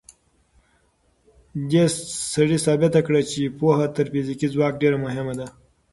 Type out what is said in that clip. دې سړي ثابته کړه چې پوهه تر فزیکي ځواک ډېره مهمه ده.